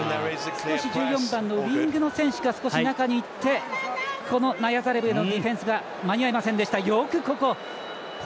１４番のウイングの選手が中にいってナヤザレブへのディフェンスが間に合いませんでした。